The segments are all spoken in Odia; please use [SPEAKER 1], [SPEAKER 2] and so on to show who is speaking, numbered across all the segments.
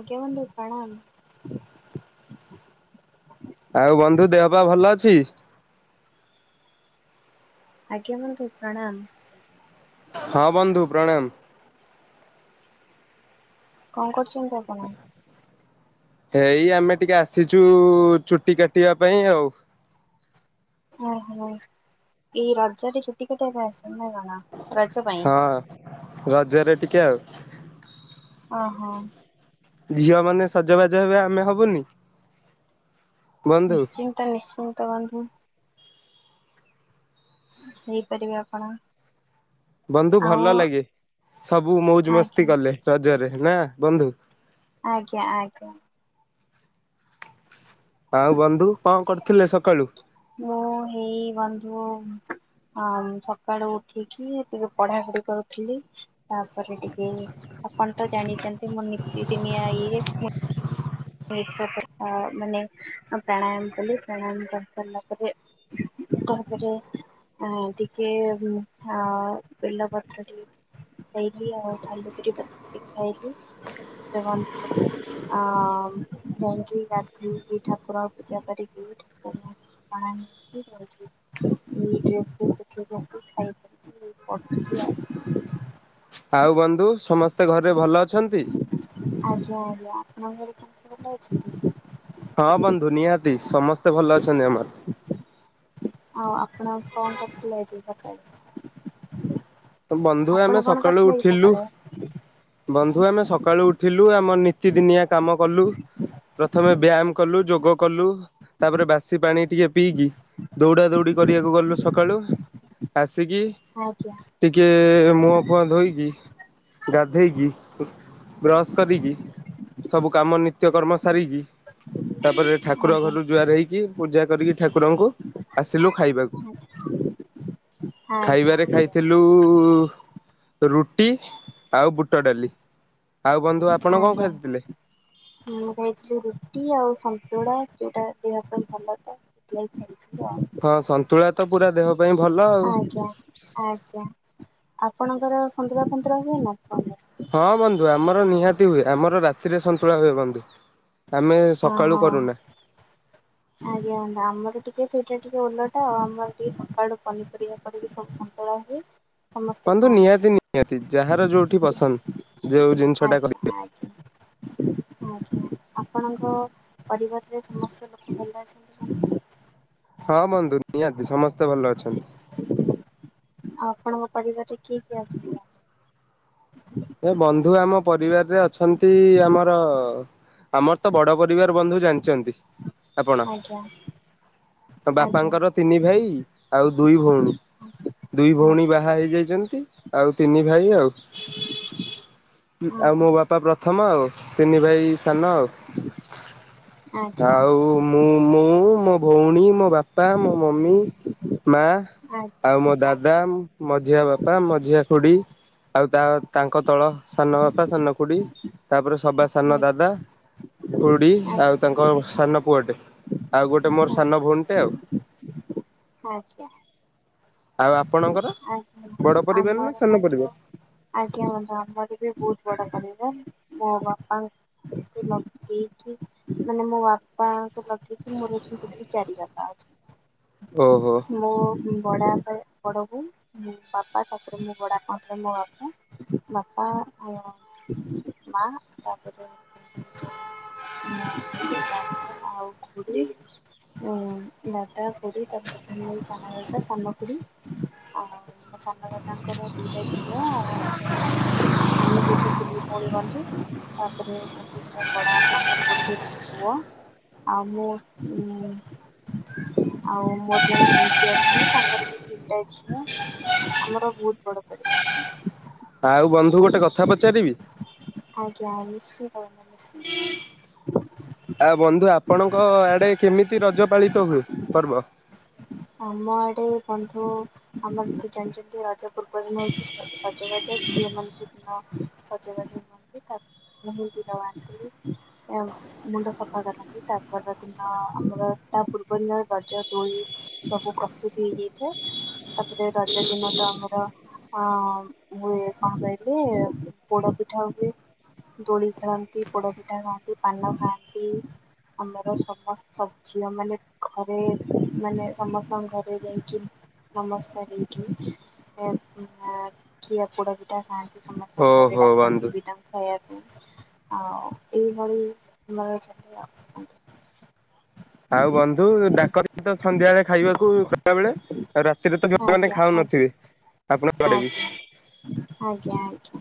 [SPEAKER 1] ଆଜ୍ଞା ବନ୍ଧୁ ପଣାମ।
[SPEAKER 2] ଆଉ ବନ୍ଧୁ ଦେହ ପା ଭଲ ଅଛି।
[SPEAKER 1] ଆଜ୍ଞା ବନ୍ଧୁ ପ୍ରଣାମ।
[SPEAKER 2] ହଁ ବନ୍ଧୁ ପ୍ରଣାମ।
[SPEAKER 1] କଣ କରୁଛନ୍ତି ଆପଣ?
[SPEAKER 2] ହେଇ ଆମେ ଟିକେ ଆସିଛୁ ଚୁଟି କାଟିବା ପାଇଁ ଆଉ।
[SPEAKER 1] ଓହୋ ଏଇ ରଜରେ ଛୁଟି କାଟିବା ପାଇଁ ଆସ ଯିମିନା କଣ ରଜ ପାଇଁ।
[SPEAKER 2] ହଁ ରଜରେ ଟିକେ ଆଉ।
[SPEAKER 1] ଓ ହୋ।
[SPEAKER 2] ଝିଅ ମାନେ ସଜବାଜ ହେବେ ଆମେ ହବୁନି। ବନ୍ଧୁ
[SPEAKER 1] ନିଶ୍ଚିନ୍ତ ନିଶ୍ଚିନ୍ତ ବନ୍ଧୁ। ହେଇପାରିବେ ଆପଣ।
[SPEAKER 2] ବନ୍ଧୁ
[SPEAKER 1] ଆଉ
[SPEAKER 2] ଭଲ ଲାଗେ ସବୁ ମୋଉଜ
[SPEAKER 1] ଆଜ୍ଞା
[SPEAKER 2] ମସ୍ତି କଲେ ରଜରେ ନା ବନ୍ଧୁ?
[SPEAKER 1] ଆଜ୍ଞା ଆଜ୍ଞା।
[SPEAKER 2] ଆଉ ବନ୍ଧୁ କଣ କରିଥିଲେ ସକାଳୁ?
[SPEAKER 1] ମୁଁ ହେଇ ବନ୍ଧୁ ହଁ ସକାଳୁ ଉଠିକି ଟିକେ ପଢାପଢି କରୁଥିଲି। ତାପରେ ଟିକେ ଆପଣ ତ ଜାଣିଛନ୍ତି ମୁଁ ନିତିଦିନିଆ ଇଏ ପଇସା କଥା ମାନେ ପ୍ରାଣାୟାମ କଲି ପ୍ରାଣାୟାମ କରି ସାରିଲା ପରେ ଘପରେ ଟିକେ ଏମିଠା ଆଉ ବେିଲପତ୍ର୍ ଟିକେ ଖଲି ଆଉ ଥାଲୁକୁରି ବାଟିକି ଖାଇକି [unintelligible] ଯାଇକି ରାତି କି ଠାକୁରଙ୍କ ପୂଜା କରିକି ଠାକୁର ପଣଆମ ଦେଇ କି ଡ୍ରେସ୍ ଫେସେ ଶୁଖେଇ ଅଶିକି ଆସିଖା ଇସାରିଛି। ଏଇ ପଡୁ ଥିଲି ଆଉ।
[SPEAKER 2] ଆଉ ବନ୍ଧୁ ସମସ୍ତେ ଘରେରେ ଭଲ ଅଛନ୍ତି?
[SPEAKER 1] ଆଜ୍ଞା ଆଜ୍ଞା ଆପଣଙ୍କର ଘରେ ସମସ୍ତେ ଭଲ ଅଛନ୍ତି?
[SPEAKER 2] ହଁ ବନ୍ଧୁ ନିହାତି ସମସ୍ତେ ଭଲ ଅଛନ୍ତି ଆମର।
[SPEAKER 1] ଆଉ ଆପଣ କଣ କରୁଥିଲେ ଆଜି ସକାଳେ?
[SPEAKER 2] ବନ୍ଧୁ
[SPEAKER 1] ଆପଣ
[SPEAKER 2] ଆମେ
[SPEAKER 1] କଣ
[SPEAKER 2] ସକାଳୁ
[SPEAKER 1] କରିଥିଲେ ଆଜି
[SPEAKER 2] ଉଠିଲୁ
[SPEAKER 1] ସକାଳେ?
[SPEAKER 2] ବନ୍ଧୁ ଆମେ ସକାଳୁ ଉଠିଲୁ ଆମ ପ୍ରତିଦିନିଆ କାମ କଲୁ ପ୍ରଥମେ ବ୍ୟାୟାମ କଲୁ ଯୋଗ କଲୁ ତାପରେ ବାସି ପାଣି ଟିକେ ପିଇକି ଦୌଡା ଦୌଡି କରିବାକୁ ଗଲୁ ସକାଳୁ ଆସି
[SPEAKER 1] ଆଜ୍ଞା।
[SPEAKER 2] ଟିକେ ମୁହଁ ଫୁଆଁ ଧୋଇକି ଗାଧେଇକି ବ୍ରଶ କରିକି ସବୁ କାମ ନିତ୍ୟ କର୍ମ ସାରିକି ତାପରେ ଠାକୁର
[SPEAKER 1] ଆଜ୍ଞା
[SPEAKER 2] ଘରୁ ଜୁଆର ହେଇକି ପୂଜା କରିକି ଠାକୁରଙ୍କୁ ଆସିଲୁ ଖାଇବାକୁ।
[SPEAKER 1] ଆଜ୍ଞା ଆଜ୍ଞା
[SPEAKER 2] ଖାଇବାରେ ଖାଇ
[SPEAKER 1] ଆଜ୍ଞା
[SPEAKER 2] ରୁଟି ଆଉ ବୁଟ ଡାଲି। ଆଉ ବନ୍ଧୁ ଆପଣ କଣ
[SPEAKER 1] ଆଜ୍ଞାଁ
[SPEAKER 2] ଖାଇଥିଲେ?
[SPEAKER 1] ମୁଁ ଖାଇଥିଲି ରୁଟି ଆଉସତୁ ଶେଗୁଡ଼ା ଗୋଟେ ଦେହ ପାଇଁ ଭଲ ତ ସେଥି ପାଇଁ ଖାଇଲି।
[SPEAKER 2] ହଁ ସନ୍ତୁଳା ତ ପୁରା ଦେହ ପାଇଁ ଭଲ ଆଉ।
[SPEAKER 1] ଆଜ୍ଞା ଆଜ୍ଞା ଆପଣଙ୍କର ସଦୀରା ପଦିରା ହୁଏ ନା ଆ ପ
[SPEAKER 2] ହଁ ବନ୍ଧୁ ଆମର ନିହାତି ହୁଏ ଆମର ରାତିରେ ସନ୍ତୁଳା ହୁଏ ବନ୍ଧୁ। ଆମେ ସକାଳୁ
[SPEAKER 1] ଓହୋ
[SPEAKER 2] କରୁନା।
[SPEAKER 1] ଆଜ୍ଞା ହ ଆମର ଟିକେ ସେଇଟା ଟିକେ ଓଲଟା ଆ ଆମର ଟିକେ ସକାଳୁ ପନିପରିବା ପରେିକ ସବୁ ସନ୍ତୁଳା ହୁଏ। ସମସ୍ତେ
[SPEAKER 2] ବନ୍ତୁ
[SPEAKER 1] ଖାଆନ୍ତି।
[SPEAKER 2] ନିହାତି ନିହାତି ଯାହାର ଯୋଉଠି ପସନ୍ଦ ଯୋଉ ଜିନିଷ ଟା
[SPEAKER 1] ଆଜ୍ଞା
[SPEAKER 2] କରିବେ। [inaudible]
[SPEAKER 1] ଆଜ୍ଞା ଆଜ୍ଞା ଆପଣଙ୍କ ପରିବାରରେ ସମସ୍ତ ଲୋକ ଭଲ ଅଛନ୍ତି ନା?
[SPEAKER 2] ହଁ ବନ୍ଧୁ ନିହାତି ସମସ୍ତେ ଭଲ ଅଛନ୍ତି।
[SPEAKER 1] ଆପଣଙ୍କ ପରିବାରରେ କିଏ କିଏ ଅଛିନ୍ତୀ ତାହେଲେ?
[SPEAKER 2] ଏ ବନ୍ଧୁ ଆମ ପରିବାରରେ ଅଛନ୍ତି ଆମର ଆମର ତ ବଡ ପରିବାର ବନ୍ଧୁ ଜାଣିଛନ୍ତି ଆପଣ।
[SPEAKER 1] ଆଜ୍ଞା ଆଜ୍ଞା ଆଜ୍ଞା
[SPEAKER 2] ବାପାଙ୍କର ତିନି ଭାଇ ଆଉ ଦୁଇ ଭଉଣୀ। ଦୁଇ ଭଉଣୀ
[SPEAKER 1] ଆଜ୍ଞା
[SPEAKER 2] ବାହା ହେଇଯାଇଛନ୍ତି ଆଉ ତିନି ଭାଇ ଆଉ। ଆଉ ମୋ ବାପା ପ୍ରଥମ ଆଉ ତିନି ଭାଇ ସାନ ଆଉ
[SPEAKER 1] ଆଜ୍ଞା
[SPEAKER 2] ଆଉ
[SPEAKER 1] ଆଜ୍ଞା
[SPEAKER 2] ମୁଁ ମୁଁ ମୋ ଭଉଣୀ ମୋ ମୋ ବାପା ମୋ ମମି ମା। ଆଉ ମୋ
[SPEAKER 1] ଆଜ୍ଞା।
[SPEAKER 2] ଦାଦା ମଝିଆ ବାପା ମଝିଆ ଖୁଡି। ଆଉ ତା ତାଙ୍କ ତଳ ସାନ ବାପା ସାନ କୁଡି ତାପରେ ସବା ସାନ ଦାଦା
[SPEAKER 1] ଆଜ୍ଞା
[SPEAKER 2] ଖୁଡି ଆଉ
[SPEAKER 1] ଆଜ୍ଞା
[SPEAKER 2] ତାଙ୍କ ସାନ ପୁଅଟେ। ଆଉ ଗୋଟେ ମୋର ସାନ ଭଉଣୀଟେ ଆଉ
[SPEAKER 1] ଆଜ୍ଞା।
[SPEAKER 2] ଆଉ ଆପଣଙ୍କର ବଡ
[SPEAKER 1] ଆଜ୍ଞା
[SPEAKER 2] ପରିବାର ନା
[SPEAKER 1] ଆମର
[SPEAKER 2] ସାନ
[SPEAKER 1] ମଧ୍ୟ
[SPEAKER 2] ପରିବାର
[SPEAKER 1] ଆଜ୍ଞା ମୋରମଦ ବି ବହୁତ ବଡ କରିବା ମୋ ବାପାକି ମାନେ ମୋ ବାପାଙ୍କୁ ଲଗେଇକି ମୋର ଯଉ ଦୁି ଚାରି ବାପା ଅଛି।
[SPEAKER 2] ଓହୋ
[SPEAKER 1] ମୁଁ ବଡ଼ ବଡ଼ବ ମୋ ବାପା ତାପରେ ମୋ ବଡା କଣରେ ମୋ ବାପୁ ବାପା ମା ତାପ ମୁ ଆଉ କ ହଁ ଦଟା କଡ଼ି ତାପ ତୁମ ଚା ସମକୁଡ଼ି ଆଉ ମୋ ସାନଦାଦଙ୍କର ଦିଟା ଝିଅ ଆଉ ଆମେ ହଉଛୁତିନି! [inaudible] ବନ୍ଧୁ ତାପରେ ଯେମିତି ମୋ ବଡପାଙ୍କର ଗୋଟେ ପୁଅ। ଆଉ ମୋ ଆଉ ମୋର ଜଣେ ବି ପିଉସୀ ଅଛନ୍ତି ତାଙ୍କର ବି ତିନିଟା ଝିଅ ଆମର ଭୁଟପଡ଼ ପରିବର
[SPEAKER 2] ଆଉ ବନ୍ଧୁ ଗୋଟେ କଥା ପଚାରିବି?
[SPEAKER 1] ଆଜ୍ଞା ନିଶ୍ଚିତ ନିଶ୍ଚିତ
[SPEAKER 2] ଆଉ ବନ୍ଧୁ ଆପଣଙ୍କ ଆଡେ କେମିତି ରଜ ପାଳିତ ହୁଏ ପର୍ବ?
[SPEAKER 1] ଆମ ଆଡେ ବନ୍ଧୁ ଆମର ତ ଜାଣିଛନ୍ତି ରଜା ପୂର୍ବ ଦିନ ହଉଛି ସଜବାଜ। ଝିଅ ମାନେ ସଜବାଜ ହୁଅନ୍ତି। ମେହେନ୍ଦୀ ଲଗନ୍ତି, ମୁଣ୍ଡ ସଫା କରନ୍ତି ତା ପର ଦିନ ଆମର ତା ପୂର୍ବ ଦିନର ରଜ ଦୋଳି ସବୁ ପ୍ରସ୍ତୁତ ହେଇଯାଇଥାଏ। ତାପରେ ରଜ ଦିନ ତ ଆମର ହଁ ହୁଏ କଣ କହିଲି ପୋଡ ପିଠା ହୁଏ। ଦୋଳି ଖେଳନ୍ତି, ପୋଡ ପିଠା ଖାଆନ୍ତି, ପାନ ଖାଆନ୍ତି ଆମର ସମସ୍ତ ଝିଅ ମାନେ ଘରେ ମାନେ ସମସ୍ତଙ୍କ ଘରେ ଯାଇକି ନମସ୍କାର ହେଇକି ଖିଆ ପୋଡ ପିଠା ଖାଆନ୍ତି। ସମସ୍ତଙ୍କ ଘରେ
[SPEAKER 2] ଓହୋ ବନ୍ଧୁ
[SPEAKER 1] ଡାକନ୍ତି ବି ତାଙ୍କୁ ଖାଇବାକୁ ଆଉ ଏଇଭଳି ଆମର [unintelligible]
[SPEAKER 2] ଆଉ ବନ୍ଧୁ ଡାକନ୍ତି ତ ସନ୍ଧ୍ୟାବେଳେ ଖାଇବାକୁ ଖରା ବେଳେ ଆଉ ରାତିରେ ତମାନେ
[SPEAKER 1] ଆଜ୍ଞା
[SPEAKER 2] ଖାଉନ?
[SPEAKER 1] ଆଜ୍ଞା
[SPEAKER 2] ନଥିବେ ଆପଣ କଡେ ବି
[SPEAKER 1] ଆଜ୍ଞା ଆଜ୍ଞା ଆଜ୍ଞା।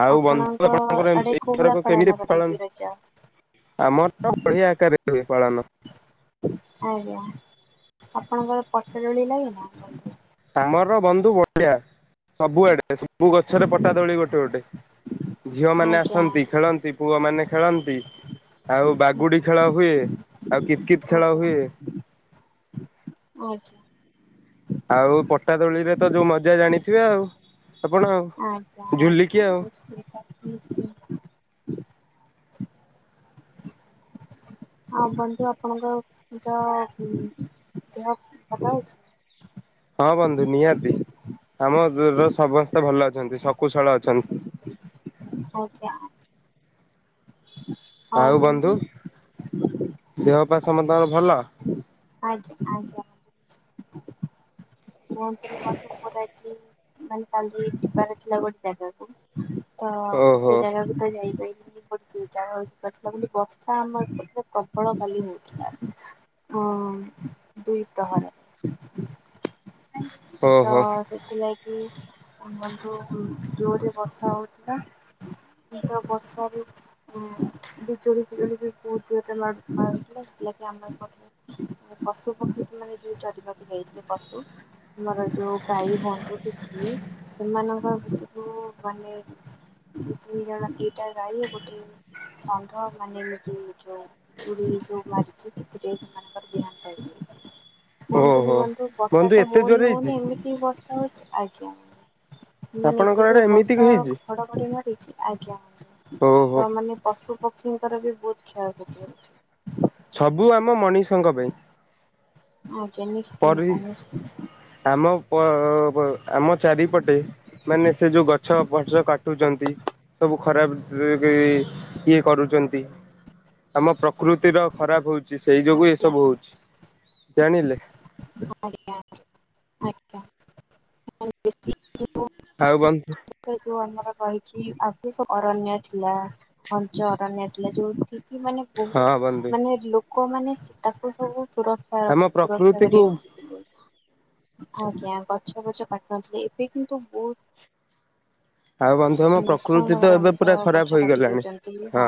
[SPEAKER 2] ଆଉ ବନ୍ଧୁ
[SPEAKER 1] ଆପଣଙ୍କ
[SPEAKER 2] ଆପଣଙ୍କର
[SPEAKER 1] ଆଡେ କୋଉ
[SPEAKER 2] ଏଇଥରକ
[SPEAKER 1] ଭଳିଆ
[SPEAKER 2] କେମିତି
[SPEAKER 1] ପାଳନ କରନ୍ତି ରଜ?
[SPEAKER 2] ଆମର ତ ବଢିଆ ଆକାରରେ ହୁଏ ପାଳନ
[SPEAKER 1] ଆଜ୍ଞା। ଆପଣଙ୍କର ପଟଦୋଳି ଲାଗେ ନା?
[SPEAKER 2] ଆମର ବନ୍ଧୁ ବଢିଆ। ସବୁଆଡେ ସବୁ ଗଛରେ ପଟା ଦୋଳି ଗୋଟେ ଗୋଟେ ଝିଅମାନେ
[SPEAKER 1] ଆଜ୍ଞା
[SPEAKER 2] ଆସନ୍ତି
[SPEAKER 1] ଆଜ୍ଞା
[SPEAKER 2] ଖେଳନ୍ତି। ପୁଅମାନେ ଖେଳନ୍ତି ଆଉ ବାଗୁଡି ଖେଳ ହୁଏ। ଆଉ କିତକିତ ଖେଳ ହୁଏ।
[SPEAKER 1] ଆଚ୍ଛା।
[SPEAKER 2] ଆଉ ପଟାଦୋଳିରେ ତ ଯୋଉ ମଜା ଜାଣିଥିବେ ଆଉ। ଆପଣ
[SPEAKER 1] ଆଚ୍ଛା
[SPEAKER 2] ଝୁଲିକି
[SPEAKER 1] ଆଛା
[SPEAKER 2] ଆଉ
[SPEAKER 1] ନିଶ୍ଚିନ୍ତ ନିଶ୍ଚିନ୍ତ। ହଉ ବନ୍ଧୁ ଆପଣଙ୍କ ଦେହ ଭଲ ଅଛି?
[SPEAKER 2] ହଁ। ବନ୍ଧୁ ନିହାତି ଆମ ଦରର ସମସ୍ତେ ଭଲ ଅଛନ୍ତି ଶକୁୁଶଳ ଅଛନ୍ତି।
[SPEAKER 1] [inaudible]
[SPEAKER 2] ଆଉ ବନ୍ଧୁ ଦେହ ପା ସମତଙ୍କର ଭଲ?
[SPEAKER 1] ଆଜ୍ଞା ଆଜ୍ଞା। [inaudible] ମାନେ କାଲି ଯିବାର ଥିଲା ଗୋଟେ ଜାଗାକୁ ତ
[SPEAKER 2] ଓହୋ
[SPEAKER 1] ସେ ଜାଗାକୁ ତ ଯାଇପାଇଲି। [unintelligible] ବର୍ଷା ଆମ ଆଡେ ପ୍ରବଳ କାଲି ହଉଥିଲା। ହଁ ଦୁଇ ପହରେ।
[SPEAKER 2] [inaudible]
[SPEAKER 1] ତ
[SPEAKER 2] ଓହୋ
[SPEAKER 1] ସେଥିଲାଗି ବନ୍ଧୁ ଜୋରରେ ବର୍ଷା ହଉଥିଲା। କିନ୍ତୁ ବର୍ଷାରେ ହୁଁ। ବିଜୁଳି ବିଜୁଳି ବି ବହୁତ୍ ଜୋରସେ ମାରୁଥିଲା। ଆମ ଏପଟରେ ପଶୁ ପକ୍ଷୀ ମାନେ ଯୋଉ ଚାରିପାଖେ [unintelligible] ପଶୁ ଆମର ଯୋଉ ଗାଈ ହୁଅନ୍ତୁ କିଛି ବି ସେମାନଙ୍କ ଭିତରୁ ମାନେ ଦି ତିନି ଜଣ ଦିଟା ଗାଈ ଗୋଟେ ଷଣ୍ଢ ମାନେ ଏମିତି ଯୋଉ ବିଜୁଳି ଯୋଉ ମାରିଛି ସେଥିରେ ତାଙ୍କର ଦେହାନ୍ତ ହେଇଯାଇଛି।
[SPEAKER 2] [inaudible]
[SPEAKER 1] ହୁଅନ୍ତୁ ନ
[SPEAKER 2] ଓହୋ।
[SPEAKER 1] ନଅନ୍ତୁ ବର୍ଷା
[SPEAKER 2] ବନ୍ଧୁ
[SPEAKER 1] ତ
[SPEAKER 2] ଏତେ
[SPEAKER 1] ହଉନି
[SPEAKER 2] ଜୋରେ ହେଇଛି
[SPEAKER 1] ହଉନି ଏମିତି ବି ବର୍ଷା ହଉଛି। ଆଜ୍ଞା। ଏମାନେ ଏତେ
[SPEAKER 2] ଆପଣଙ୍କର ଆଡେ
[SPEAKER 1] ଜୋର
[SPEAKER 2] ଏମିତି
[SPEAKER 1] ବର୍ଷା
[SPEAKER 2] ହେଇଛି
[SPEAKER 1] ଘଡଘଡି ମାରିଚି। ଆଜ୍ଞା।
[SPEAKER 2] ଓହୋ।
[SPEAKER 1] ତ ମାନେ ପଶୁ ପକ୍ଷୀଙ୍କର ବି ବହୁତ କ୍ଷୟକ୍ଷତି ହଉଛି।
[SPEAKER 2] ସବୁ ଆମ ମଣିଷଙ୍କ ପାଇଁ।
[SPEAKER 1] ଆଜ୍ଞା
[SPEAKER 2] ପରି
[SPEAKER 1] ନିଶ୍ଚିନ୍ତ ନିଶ୍ଚିନ୍ତ।
[SPEAKER 2] ଆମ ପ ଅ ଆମ ଚାରିପଟେ ମାନେ ସେ ଯେଉଁ ଗଛ ପଛ କାଟୁଛନ୍ତି ସବୁ ଖରାପ ଇଏ କରୁଛନ୍ତି। ଆମ ପ୍ରକୃ ତି ର ଖରାପ ହଉଛି ସେଇ ଯୋଗୁ
[SPEAKER 1] ଆଜ୍ଞା
[SPEAKER 2] ଏସବୁ ହଉଛି। ଜାଣିଲେ।
[SPEAKER 1] ଆଜ୍ଞା ଆଜ୍ଞା।
[SPEAKER 2] ଆଉ। [unintelligible]
[SPEAKER 1] ଯୋଉ ଆମର ରହିଛି ଆଦିସ ଅରଣ୍ୟ ଥିଲା ଘଞ୍ଚ ଅରଣ୍ୟ ଥିଲା ଯୋଉଠି କି କି ମାନେ
[SPEAKER 2] ହଁ ବନ୍ଧୁ
[SPEAKER 1] ବହୁତ ମାନେ ଲୋକମାନେ ତାକୁ ସବୁ ସୁରକ୍ଷା
[SPEAKER 2] ଆମ
[SPEAKER 1] ସୁରକ୍ଷା କରି
[SPEAKER 2] ପ୍ରକୃତିକୁ
[SPEAKER 1] ରଖୁଥିଲେ। ଆଜ୍ଞା। ଗଛବଛ କାଟନ୍ତିନି। ଏବେ କିନ୍ତୁ ବହୁତ
[SPEAKER 2] ଆଉ ବନ୍ଧୁ ଆମ ପ୍ରକୃତି
[SPEAKER 1] ନୃସଂଶ
[SPEAKER 2] ତ ଏବେ ପୁରା
[SPEAKER 1] ମଣିଷ
[SPEAKER 2] ଖରାପ
[SPEAKER 1] ଗଛ କାଟି
[SPEAKER 2] ହେଇଗଲାଣି।
[SPEAKER 1] ଦଉଛନ୍ତି। ହଁ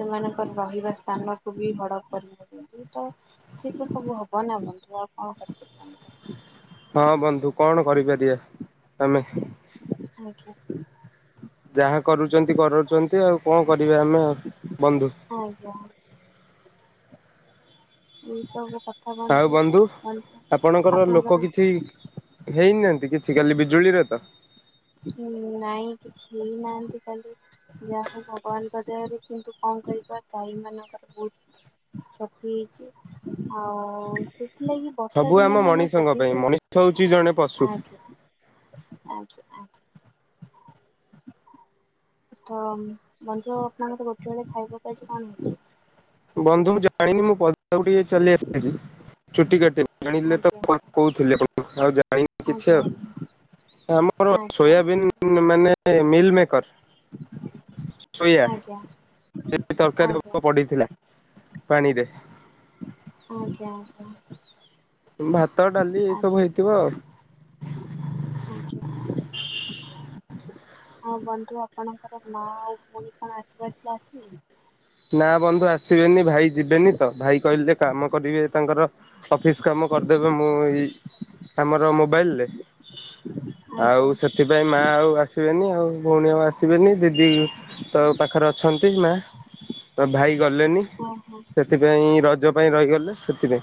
[SPEAKER 1] ସେମାନଙ୍କର ରହିବା ସ୍ଥାନ ବି ହଡପ କରି ଦଉଛନ୍ତି। ତ ସେଇ ତ ସବୁ ହବ ନା ବନ୍ଧୁ ଆଉ କଣ କରିପାରିବା ଆମେ।
[SPEAKER 2] ହଁ ବନ୍ଧୁ କଣ କରିପାରିବା ଆମେ।
[SPEAKER 1] ତାକୁ ଆଜ୍ଞା।
[SPEAKER 2] ଯାହା କରୁଛନ୍ତି କରୁଚ ଏତେ ଆଉ କଣ କରିବା ଆମେ ବନ୍ଧୁ।
[SPEAKER 1] ଆଜ୍ଞା ଏଇ ସବୁ କ
[SPEAKER 2] ଆଉ ବନ୍ଧୁ ଆପଣଙ୍କର ଲୋକ କିଛି ହେଇନାହାନ୍ତି କି? ଆଜି କାଲି ବିଜୁଳିରେ ତ?
[SPEAKER 1] ନାଇଁ କିଛି ହେଇନାହାନ୍ତି। କାଲି ଯାହା ହଉ ଭଗବାନଙ୍କ ଦୟାରୁ କିନ୍ତୁ କ କଣ କରିବା ଗାଈ ମାନଙ୍କର ବହୁତ କ୍ଷତି ହେଇଛି। ଆଉ ସେଥିଲାଗି ବର୍ଷା
[SPEAKER 2] ସବୁ ଆମ
[SPEAKER 1] ଦିନେ ମାନେ
[SPEAKER 2] ମଣିଷଙ୍କ
[SPEAKER 1] ଯଦି
[SPEAKER 2] ପାଇଁ
[SPEAKER 1] ବିି
[SPEAKER 2] ମଣିଷ ହଉଛି ଜଣେ ପଶୁ
[SPEAKER 1] ଆଜ୍ଞା ଆଜ୍ଞା। [inaudible] ତ ବନ୍ଧୁ ଆପଣଙ୍କ ଗୋଟେ ବେଳେ ଖାଇବାକୁ କଣ ହୋଇଛି?
[SPEAKER 2] ବନ୍ଧୁ ମୁଁ ଜାଣିନି ମୁଁ ପ ଟିକେ ଚାଲି ଆସିଛି ଚୁଟି କାଟିବା ପାଇଁ
[SPEAKER 1] ହେଇଛି?
[SPEAKER 2] ଜାଣିଲେ ତ କହୁ। [unintelligible]
[SPEAKER 1] ଆଜ୍ଞା ଆଜ୍ଞା।
[SPEAKER 2] ଆମର ସୋୟାବିନ୍ ମାନେ ମିଲ୍ ମିକର୍
[SPEAKER 1] ଆଜ୍ଞା
[SPEAKER 2] ସୋୟା
[SPEAKER 1] ଆଜ୍ଞା
[SPEAKER 2] [unintelligible] ତରକାରୀ
[SPEAKER 1] ଆଜ୍ଞା
[SPEAKER 2] ପଡିଥିଲା। ପାଣି ରେ।
[SPEAKER 1] ଆଜ୍ଞା ଆଜ୍ଞା।
[SPEAKER 2] ଭାତ, ଡାଲି ଏ
[SPEAKER 1] ଆଜ୍ଞା
[SPEAKER 2] ସବୁ ହେଇଥିବ
[SPEAKER 1] ଆଜ୍ଞା
[SPEAKER 2] ଆଉ।
[SPEAKER 1] ଆଜ୍ଞା ହଁ ବନ୍ଧୁ ଆପଣଙ୍କର ମା ଆଉ ଭଉଣୀ କଣ ଆସିବାର ଥିଲା ଆସିଲେ?
[SPEAKER 2] ନା ବନ୍ଧୁ ଆସିବେନି। ଭାଇ ଯିବେନି ତ। ଭାଇ କହିଲେ ଯେ କାମ କରିବେ ତାଙ୍କର ଅଫିସ କାମ କରିଦେବେ ମୁଁ ଏଇ ଆମର ମୋବାଇଲରେ
[SPEAKER 1] ଆଜ୍ଞା
[SPEAKER 2] ଆଉ ସେଥିପାଇଁ ମା ଆଉ ଆସିବେନି। ଆଉ ଭଉଣୀ ଆସିବେନି ଦିଦି ତ ପାଖରେ ଅଛନ୍ତି ମା ତ ଭାଇ ଗଲେନି
[SPEAKER 1] ହଁ ହଁ
[SPEAKER 2] ସେଥିପାଇଁ ରଜ ପାଇଁ ରହିଗଲେ [unintelligible]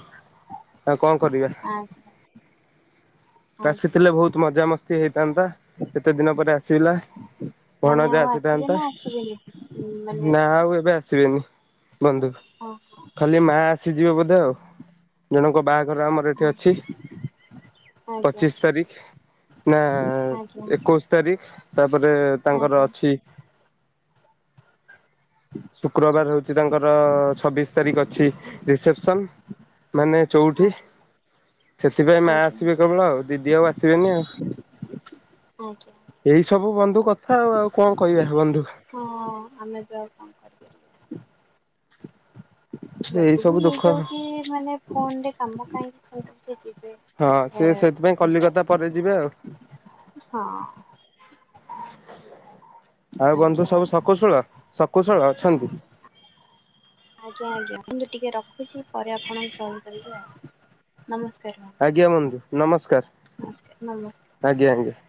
[SPEAKER 2] ଆ କଣ କରିବା।
[SPEAKER 1] ଆଜ୍ଞା ଆଜ୍ଞା
[SPEAKER 2] ଆସିଥିଲେ ବହୁତ ମଜା ମସ୍ତି ହେଇଥାନ୍ତା କେତେ ଦିନ ପରେ ଆସିଥିଲା।
[SPEAKER 1] ମାନେ
[SPEAKER 2] ଭଣଜା
[SPEAKER 1] ଆଉ ଆସିବେ
[SPEAKER 2] ଆସିଥାନ୍ତା
[SPEAKER 1] ନା ଆସିବେନି ମାନେ
[SPEAKER 2] ନା ଆଉ ଏ ଆସିବେନି ବନ୍ଧୁ
[SPEAKER 1] ଓହୋ
[SPEAKER 2] ଖାଲି ମା ଆସିଯିବ ବୋଧେ ଆଉ ଘର ଆମର ଏଠି ଅଛି
[SPEAKER 1] ଆଜ୍ଞା
[SPEAKER 2] ପଚିଶ ତାରିଖ। ନା
[SPEAKER 1] ଆଜ୍ଞା
[SPEAKER 2] ଏକୋଇଶ ତାରିଖ ତାପରେ ତାଙ୍କର
[SPEAKER 1] ଆଜ୍ଞା
[SPEAKER 2] ଅଛି [inaudible] ଶୁକ୍ରବାର ହଉଛି ତାଙ୍କର ଛବିଶ ତାରିଖ ଅଛି ରିସେପସନ ମାନେ ଚଉଠି।
[SPEAKER 1] ଆଜ୍ଞା
[SPEAKER 2] ସେଥିପାଇଁ ମା
[SPEAKER 1] ଆଜ୍ଞା
[SPEAKER 2] ଆସିବେ କେବଳ ଆଉ ଦିଦି ଆଉ ଆସିବେନି ଆଉ।
[SPEAKER 1] ଆଜ୍ଞା
[SPEAKER 2] ଏଇ ସବୁ ବନ୍ଧୁ କଥା ଆଉ ଆଉ କଣ କହିବା ବନ୍ଧୁ।
[SPEAKER 1] ହଁ ଆମେ ବି ଆଉ କଣ କରିପାରିବା
[SPEAKER 2] ଏଇ
[SPEAKER 1] ଯଦି ବି
[SPEAKER 2] ସବୁ ଦୁଃଖ
[SPEAKER 1] ହେଇଯାଉଛି ମାନେ ଫୋନରେ କାମ କାହିଁକି ସେ ଯିବେ
[SPEAKER 2] ହଁ
[SPEAKER 1] ଏ
[SPEAKER 2] ସେ ସେଥିପାଇଁ କଲିକତା ପରେ ଯିବେ ଆଉ।
[SPEAKER 1] ହଁ ଆଜ୍ଞା
[SPEAKER 2] ଆଉ ବନ୍ଧୁ
[SPEAKER 1] ମ୍ୟାଡ଼ାମ
[SPEAKER 2] ସବୁ ଶକୁଶଳ ଶକୁଶଳ ଅଛନ୍ତି?
[SPEAKER 1] ନ୍ତୁ ଟିକେ ରଖୁଛି ପରେ ଆପଣଙ୍କୁ କଲ କରିବି ଆଉ ନମସ୍କାର। ମ୍ୟାଡ଼ାମ
[SPEAKER 2] ଆଜ୍ଞା ବଧୁ ନମସ୍କାର ଆଜ୍ଞା ଆଜ୍ଞା।